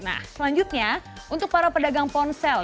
nah selanjutnya untuk para pedagang ponsel